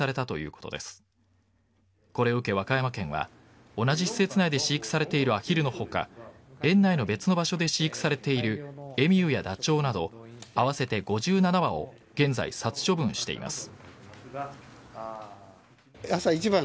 これを受け、和歌山県は同じ施設内で飼育されているアヒルの他園内の別の場所で飼育されているエミューやダチョウなど合わせて５７羽を現在、殺処分しています。